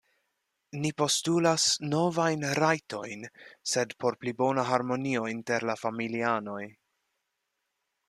Ni postulas novajn rajtojn, sed por pli bona harmonio inter la familianoj.